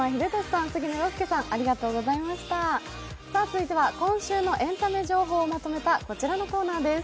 続いては今週のエンタメ情報をまとめたこちらのコーナーです。